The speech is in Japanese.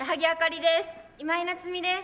今井菜津美です。